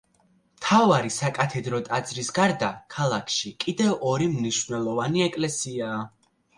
მთავარი საკათედრო ტაძრის გარდა ქალაქში კიდევ ორი მნიშვნელოვანი ეკლესიაა.